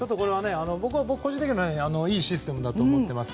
僕、個人的にはいいシステムだと思っています。